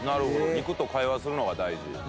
肉と会話するのが大事。